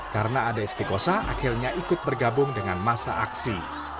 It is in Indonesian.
karena ada istikosa akhirnya ikut bergabung dengan masa aksi